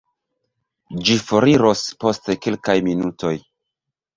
Ĝi foriros post kelkaj minutoj.